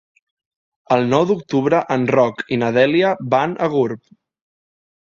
El nou d'octubre en Roc i na Dèlia van a Gurb.